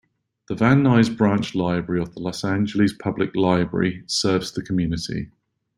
The Van Nuys Branch Library of the Los Angeles Public Library serves the community.